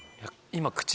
今。